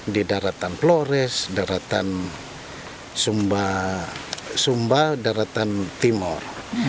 di daratan flores daratan sumba daratan timur